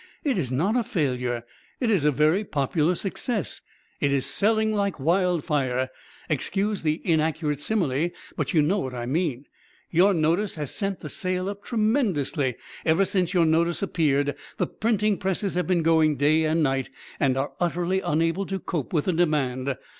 "It is not a failure. It is a very popular success. It is selling like wildfire. Excuse the inaccurate simile; but you know what I mean. Your notice has sent the sale up tremendously. Ever since your notice appeared, the printing presses have been going day and night and are utterly unable to cope with the demand.